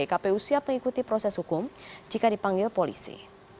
kpu siap mengikuti proses hukum jika dipanggil polisi